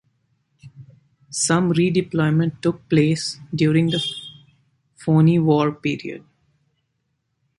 Some redeployment took place during the Phoney War period.